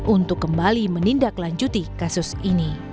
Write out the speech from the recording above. untuk kembali menindaklanjuti kasus ini